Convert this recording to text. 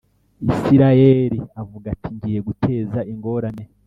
Isirayeli avuga ati ngiye guteza ingorane